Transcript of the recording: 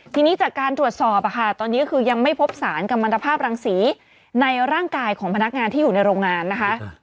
ทีนี้จากการตรวจสอบตอนนี้ก็คือยังไม่พบสารกำลังตภาพรังสีในร่างกายของพนักงานที่อยู่ในโรงงานนะคะ